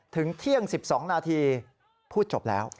ถึงเที่ยง๑๒นาทีพูดจบแล้ว